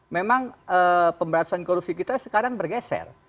memang pemberantasan korupsi kita sekarang bergeser